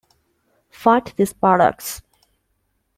Fight this bollocks.